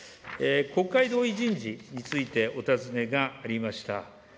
国会同意人事についてお尋ねがありました。